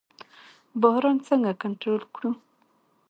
بحران څنګه کنټرول کړو؟